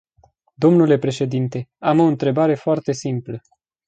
Dle președinte, am o întrebare foarte simplă.